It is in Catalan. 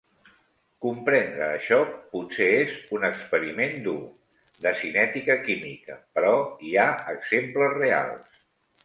Comprendre això pot ser és un "experiment dur" de cinètica química, però hi ha exemples reals.